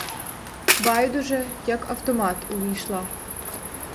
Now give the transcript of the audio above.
Байдуже, як автомат, увійшла.